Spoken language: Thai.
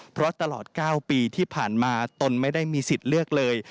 เพราะตลอด๙ปีที่ผ่านมาตนไม่ได้มีสิทธิ์เลือกเลย